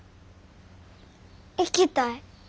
行きたい。